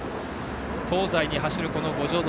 東西に走る五条通。